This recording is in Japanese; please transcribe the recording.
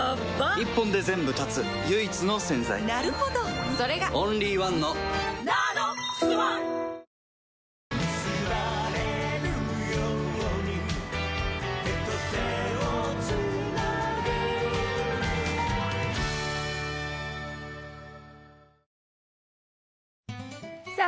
一本で全部断つ唯一の洗剤なるほどそれがオンリーワンの「ＮＡＮＯＸｏｎｅ」さあ、